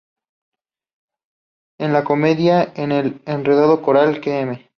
En la comedia de enredo coral "Km.